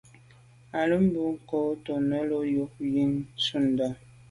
À lo mbe nkôg à to’ nelo’ yub ntum yi ntshundà.